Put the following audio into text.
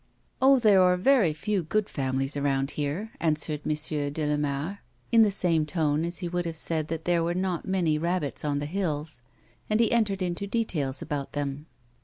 " Oh, there are very few good families around here," answered M. de Lamare, in the same tone as he would have said that there were not many rabbits on the hills, and he entered into details about them.